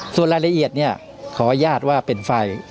ส่วนรายละเอียดเนี่ยขออนุญาตว่าเป็นไฟ